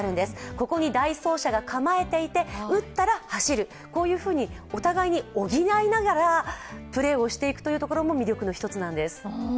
ここに代走者が構えていて、打ったら走る、こういうふうにお互いに補いながらプレーしていくというのも魅力の一つなんです。